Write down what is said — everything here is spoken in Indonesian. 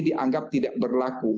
dianggap tidak berlaku